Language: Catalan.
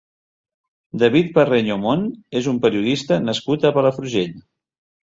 David Parreño Mont és un periodista nascut a Palafrugell.